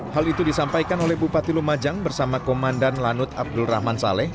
hal itu disampaikan oleh bupati lumajang bersama komandan lanut abdul rahman saleh